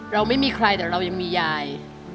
เราไม่มีใครแต่เรายังมียาย